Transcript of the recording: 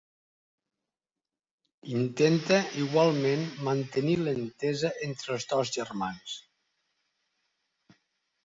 Intenta igualment mantenir l'entesa entre els dos germans.